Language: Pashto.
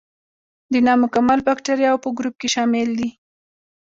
د نامکمل باکتریاوو په ګروپ کې شامل دي.